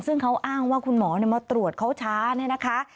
ซึ่งเขาอ้างว่าคุณหมอมาตรวจเขาช้าเนี่ยนะคะ